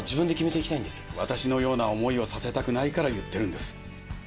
わたしのような思いをさせたくないから言ってるんです。